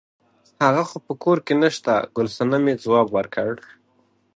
هغه خو په کور کې نشته ګل صمنې ځواب ورکړ.